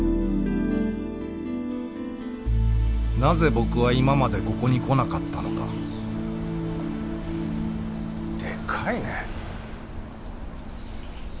なぜ僕は今までここに来なかったのかでかいね。